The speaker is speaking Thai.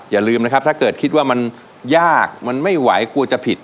อย่าลืมนะครับถ้าเกิดคิดว่ามันยากมันไม่ไหวกลัวจะผิด